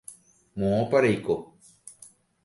Moõpa reiko.